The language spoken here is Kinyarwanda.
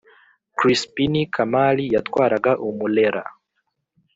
Krispini Kamali yatwaraga Umulera.